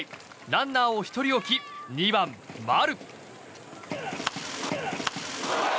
ランナーを１人置き２番、丸。